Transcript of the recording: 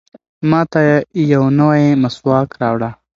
ماته یو نوی مسواک راوړه.